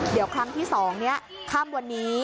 เดี๋ยวครั้งที่๒นี้ค่ำวันนี้